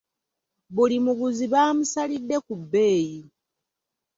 Buli muguzi baamusalidde ku bbeeyi.